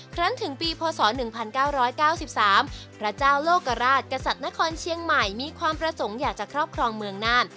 ครั้งถึงปีพศ๑๙๙๓พระเจ้าโลกราชกษัตริย์นครเชียงใหม่มีความประสงค์อยากจะครอบครองเมืองน่าน